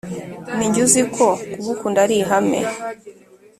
Ninjye uziko kugukunda ari ihame